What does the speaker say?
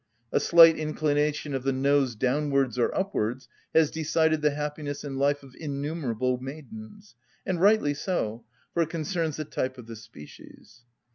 A slight inclination of the nose downwards or upwards has decided the happiness in life of innumerable maidens, and rightly so, for it concerns the type of the species.